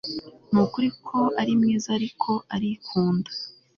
Nukuri ko ari mwiza ariko arikunda